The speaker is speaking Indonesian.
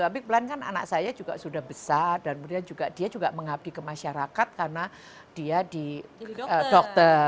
dan kebetulan kan anak saya juga sudah besar dan kemudian dia juga mengabdi ke masyarakat karena dia di dokter